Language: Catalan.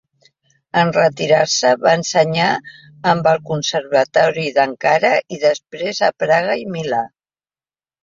En retirar-se va ensenyar en el Conservatori d'Ankara, i després a Praga i Milà.